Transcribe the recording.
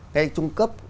ngay trung cấp